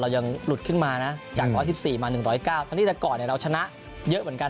ยังหลุดขึ้นมานะจาก๑๑๔มา๑๐๙ตอนนี้แต่ก่อนเนี่ยเราชนะเยอะเหมือนกัน